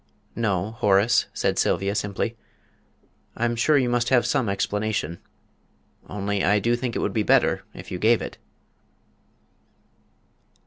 "No, Horace," said Sylvia, simply, "I'm sure you must have some explanation only I do think it would be better if you gave it."